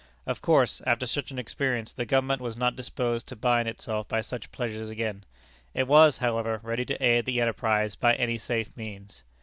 Of course, after such an experience, the Government was not disposed to bind itself by such pledges again. It was, however, ready to aid the enterprise by any safe means.